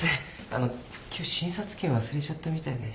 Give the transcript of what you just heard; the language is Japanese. あの今日診察券忘れちゃったみたいで。